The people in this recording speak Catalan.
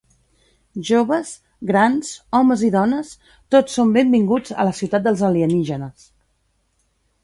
Joves, grans, homes i dones, tots són benvinguts a la ciutat dels alienígenes.